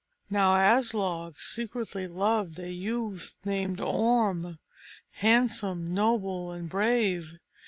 Now Aslog secretly loved a youth named Orm, handsome, noble and brave.